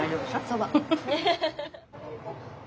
そば。